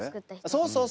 そうそうそう。